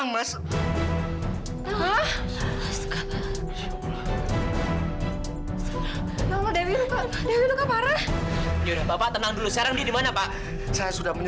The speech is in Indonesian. nggak ada dewi